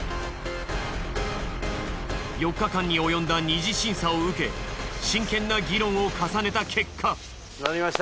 ４日間におよんだ二次審査を受け真剣な議論を重ねた結果。